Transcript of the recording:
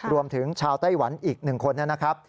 รวมถึงชาวไต้หวันอีก๑คนนะครับ